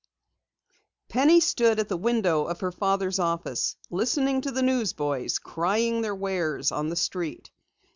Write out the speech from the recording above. _ Penny stood at the window of her father's office, listening to the newsboys crying their wares on the street.